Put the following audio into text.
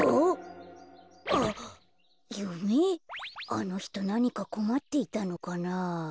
あのひとなにかこまっていたのかなあ。